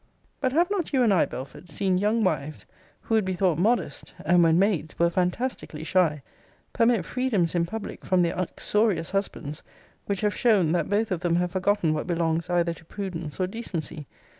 But have not you and I, Belford, seen young wives, who would be thought modest! and, when maids, were fantastically shy; permit freedoms in public from their uxorious husbands, which have shown, that both of them have forgotten what belongs either to prudence or decency?